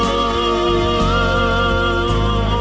hồn thiêng núi sông